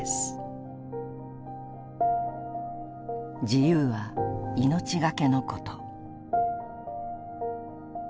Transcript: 「自由は命がけのこと」。